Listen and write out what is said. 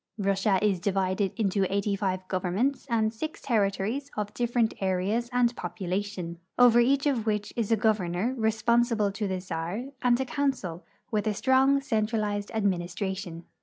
Russia is divided into eighty five governments and six terri tories of different areas and population, over each of which is a governor, responsible to the czar, and a council, wdth a strong centralized administration.